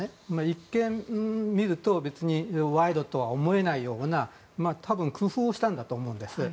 一見、別に賄賂とは思えないような多分、工夫をしたんだと思うんです。